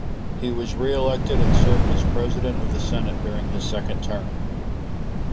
He was reelected and served as president of the Senate during his second term.